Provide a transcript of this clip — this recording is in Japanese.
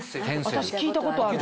私聞いたことある。